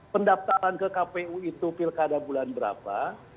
pendaftaran ke kpu itu pilkada bulan berapa